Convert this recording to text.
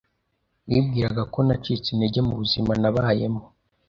Wibwiraga ko nacitse intege mubuzima nabayemo